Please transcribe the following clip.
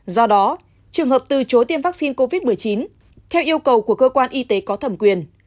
do đó trường hợp từ chối tiêm vaccine covid một mươi chín theo yêu cầu của cơ quan y tế có thẩm quyền